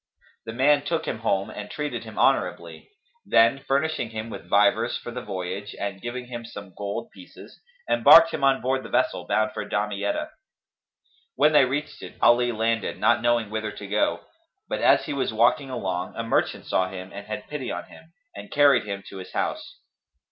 The man took him home and treated him honourably; then, furnishing him with vivers for the voyage and giving him some gold pieces, embarked him on board the vessel bound for Damietta. When they reached it, Ali landed, not knowing whither to go; but as he was walking along, a merchant saw him and had pity on him, and carried him to his house.